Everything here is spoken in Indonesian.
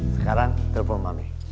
sekarang telepon mami